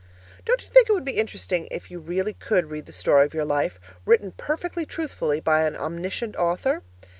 Don't you think it would be interesting if you really could read the story of your life written perfectly truthfully by an omniscient author?